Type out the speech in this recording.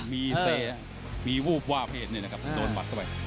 มีวูบว่าเพศเลยนะครับโดนปัดเข้าไป